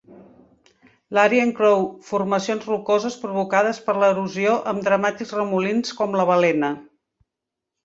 L'àrea inclou formacions rocoses provocades per l'erosió amb dramàtics remolins com La Balena.